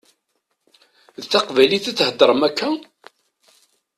D taqbaylit i theddṛem akka?